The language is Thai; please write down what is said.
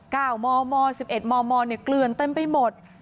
มมสิบเอ็มมเนี่ยเกลือนเต็มไปหมด